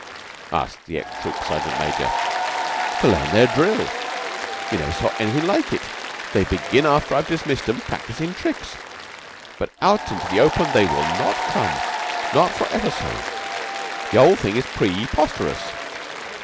asked the ex Troop Sergeant Major. "To learn their drill. You never saw anything like it. They begin after I've dismissed 'em practisin' tricks; but out into the open they will not come not for ever so. The 'ole thing is pre posterous.